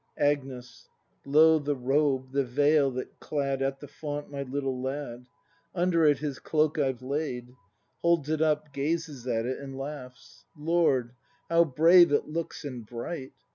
Agnes. Lo, the robe, the veil that clad At the font my little lad. Under it his cloak I've laid — [Holds it up, gazes at it, and laughs^ Lord, how brave it looks and bright!